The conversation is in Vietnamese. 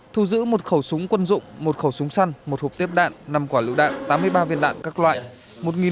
thu giữ một khẩu súng quân dụng một khẩu súng săn một hộp tiếp đạn năm quả lựu đạn tám mươi ba viên đạn các loại